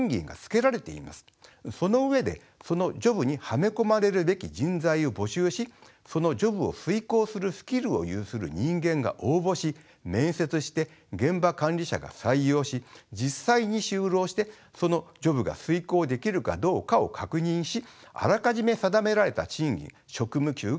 その上でそのジョブにはめ込まれるべき人材を募集しそのジョブを遂行するスキルを有する人間が応募し面接して現場管理者が採用し実際に就労してそのジョブが遂行できるかどうかを確認しあらかじめ定められた賃金職務給が支払われます。